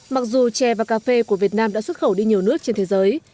mặc dù chè và cà phê của việt nam đã xuất khẩu đi nhiều nước trên thế giới